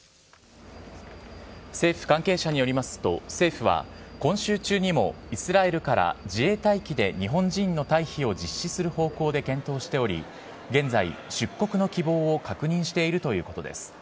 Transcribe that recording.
政府関係者によりますと、政府は今週中にもイスラエルから自衛隊機で日本人の退避を実施する方向で検討しており、現在、出国の希望を確認しているということです。